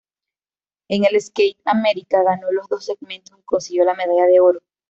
En el Skate America ganó los dos segmentos y consiguió la medalla de oro.